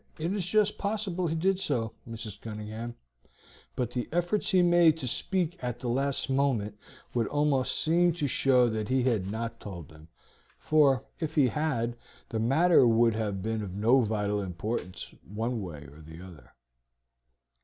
"It is just possible he did so, Mrs. Cunningham, but the efforts he made to speak at the last moment would almost seem to show that he had not told them, for, if he had, the matter would have been of no vital importance one way or the other.